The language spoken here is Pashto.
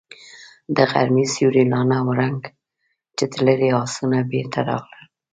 د غرمې سيوری لا نه و ړنګ چې تللي آسونه بېرته راغلل.